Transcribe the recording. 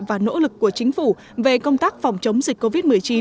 và nỗ lực của chính phủ về công tác phòng chống dịch covid một mươi chín